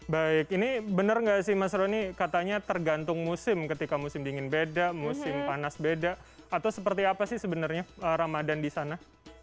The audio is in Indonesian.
baik ini benar nggak sih mas roni katanya tergantung musim ketika musim dingin beda musim panas beda atau seperti apa sih sebenarnya ramadan di sana